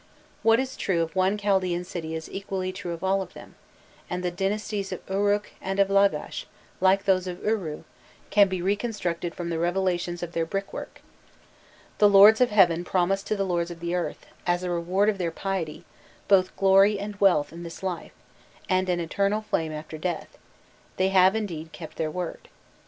What is true of one Chaldaean city is equally true of all of them, and the dynasties of Uruk and of Lagash, like those of Uru, can be reconstructed from the revelations of their brickwork. The lords of heaven promised to the lords of the earth, as a reward of their piety, both glory and wealth in this life, and an eternal fame after death: they have, indeed, kept their word.